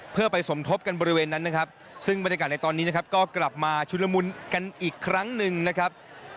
เพื่อไปสมทบกันบริเวณนั้นนะครับซึ่งบรรยากาศในตอนนี้นะครับก็กลับมาชุลมุนกันอีกครั้งหนึ่งนะครับ